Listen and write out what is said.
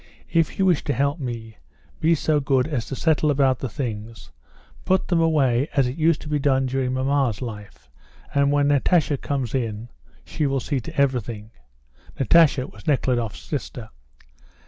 If you wish to help me, be so good as to settle about the things, put them away as it used to be done during mamma's life, and when Natasha comes she will see to everything." Natasha was Nekhludoff's sister.